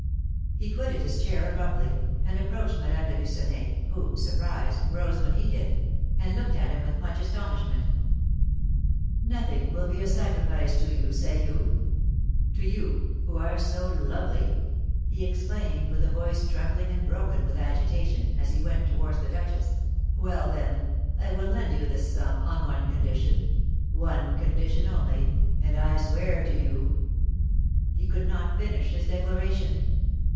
He quitted his chair abruptly, and approached Madame de Lucenay, who, surprised, rose when he did, and looked at him with much astonishment. "Nothing will be a sacrifice to you, say you? To you, who are so lovely?" he exclaimed, with a voice trembling and broken with agitation, as he went towards the duchess. "Well, then, I will lend you this sum, on one condition, one condition only, and I swear to you " He could not finish his declaration.